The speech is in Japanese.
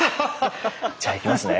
じゃいきますね。